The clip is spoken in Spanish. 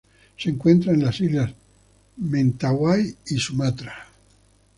Se encuentra en la Islas Mentawai y Sumatra.